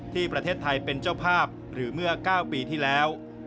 ที่ประเทศไทยเป็นเจ้าภาพหรือเมื่อ๙ปีที่แล้ว